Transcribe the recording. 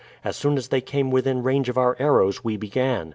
As soon as they came within range of our arrows we began.